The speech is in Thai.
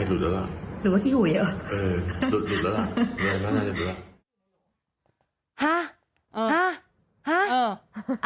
หรือว่าที่หูเยอะ